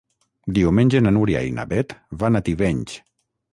Diumenge na Núria i na Beth van a Tivenys.